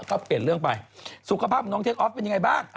ก็เปลี่ยนเรื่องไปสุขภาพของน้องเทคออฟเป็นยังไงบ้าง